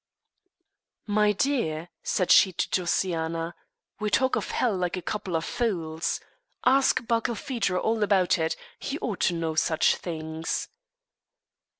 "My dear," said she to Josiana, "we talk of hell like a couple of fools. Ask Barkilphedro all about it. He ought to know such things."